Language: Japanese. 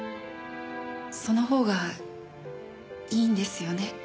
そのほうがいいんですよね？